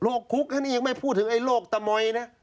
โรคคุกนี่ยังไม่พูดถึงไอ้โรคตะมอยนะ